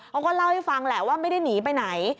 เขาก็เล่าให้ฟังแหละว่าไม่ได้หนีไปไหน